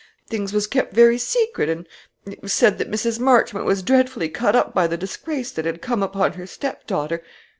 Things was kept very secret, and it was said that Mrs. Marchmont was dreadfully cut up by the disgrace that had come upon her stepdaughter.